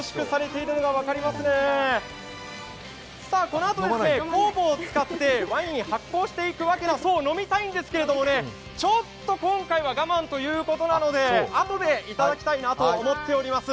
このあと酵母を使ってワインを発酵しているわけなんです、ちょっと飲みたいんですけれどもちょっと今回は我慢ということなのであとでいただきたいなと思っています。